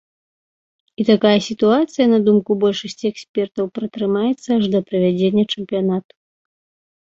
І такая сітуацыя, на думку большасці экспертаў, пратрымаецца аж да правядзення чэмпіянату.